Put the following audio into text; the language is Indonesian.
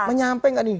menyampai gak nih